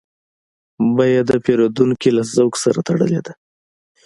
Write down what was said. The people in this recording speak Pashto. بیه د پیرودونکي له ذوق سره تړلې ده.